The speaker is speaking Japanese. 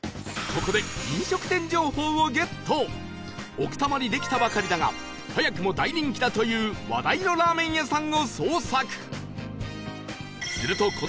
奥多摩にできたばかりだが早くも大人気だという話題のラーメン屋さんを捜索